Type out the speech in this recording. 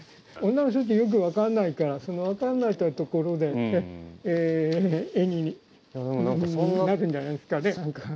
女の人ってよく分かんないからその分かんないっていうところで絵になるんじゃないですかね。